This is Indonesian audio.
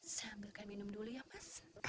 saya ambilkan minum dulu ya mas